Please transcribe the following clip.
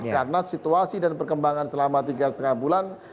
karena situasi dan perkembangan selama tiga lima bulan